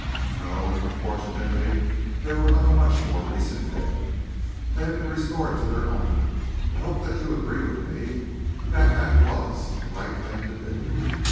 "No, unfortunately they were of a much more recent date. They have been restored to their owner. I hope that you agree with me that that was the right thing to do?"